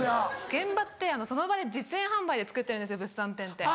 現場ってその場で実演販売で作ってるんですよ物産展って。